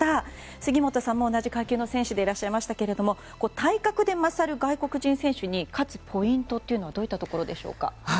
杉本さんも同じ階級の選手でいらっしゃいましたが体格で勝る外国人選手に勝つポイントはどういったところでしょうか。